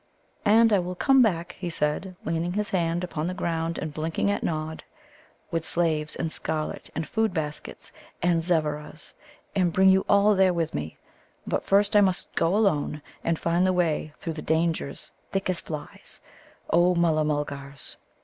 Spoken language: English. "And I will come back," he said, leaning his hand upon the ground and blinking at Nod, "with slaves and scarlet and food baskets and Zevveras, and bring you all there with me. But first I must go alone and find the way through dangers thick as flies, O Mulla mulgars.